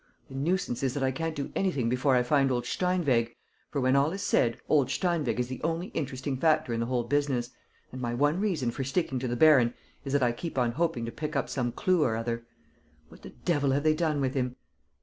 The nuisance is that I can't do anything before I find old Steinweg, for, when all is said, old Steinweg is the only interesting factor in the whole business; and my one reason for sticking to the baron is that I keep on hoping to pick up some clue or other. What the devil have they done with him?